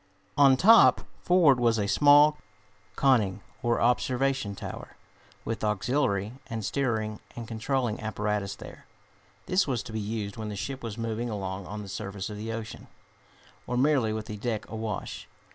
On top, forward, was a small conning, or observation tower, with auxiliary and steering and controlling apparatus there. This was to be used when the ship was moving along on the surface of the ocean, or merely with the deck awash.